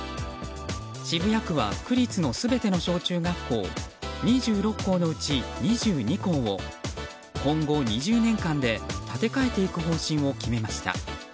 渋谷区は、区立の全ての小中学校２６校のうち２２校を今後２０年間で建て替えていく方針を決めました。